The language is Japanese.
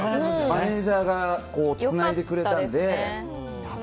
マネジャーがつないでくれたんで。